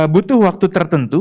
butuh waktu tertentu